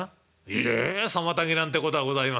「いえ妨げなんてことはございません。